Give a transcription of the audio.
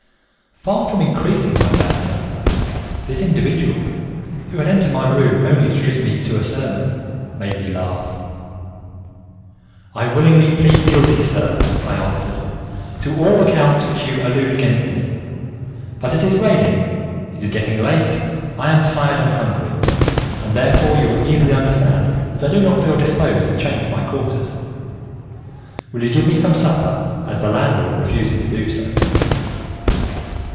Far from increasing my bad temper, this individual, who had entered my room only to treat me to a sermon, made me laugh. "I willingly plead guilty, sir," I answered, "to all the counts which you allege against me; but it is raining, it is getting late, I am tired and hungry, and therefore you will easily understand that I do not feel disposed to change my quarters. Will you give me some supper, as the landlord refuses to do so?"